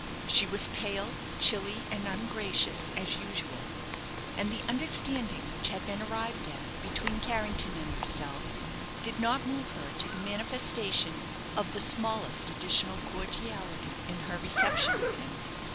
She was pale, chilly, and ungracious, as usual, and the understanding which had been arrived at between Carrington and herself did not move her to the manifestation of the smallest additional cordiality in her reception of him.